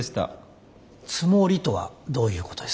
つもりとはどういうことですか？